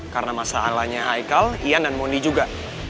karena masalahnya aikal ian dan mundi juga